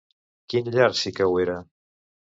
Quina llar sí que ho era?